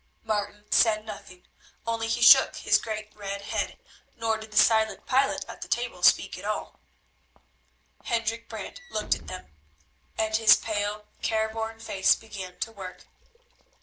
Martin said nothing, only he shook his great red head, nor did the silent pilot at the table speak at all. Hendrik Brant looked at them, and his pale, careworn face began to work.